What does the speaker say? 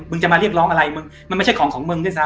มึงจะมาเรียกร้องอะไรมันไม่ใช่ของของมึงขึ้นซ้ำ